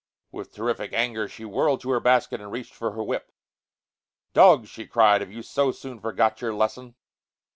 With terrific anger, she whirled to her basket and reached for her whip. "Dogs!" she cried. "Have you so soon forgot your lesson?"